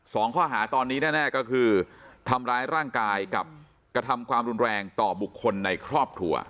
สองข้อหาตอนนี้แน่แน่ก็คือทำร้ายร่างกายกับกระทำความรุนแรงต่อบุคคลในครอบครัว